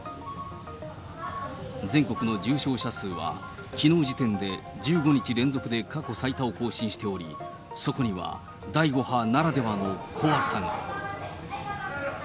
全国の重症者数はきのう時点で１５日連続で過去最多を更新しており、そこには第５波ならではの怖さが。